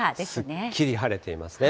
すっきり晴れていますね。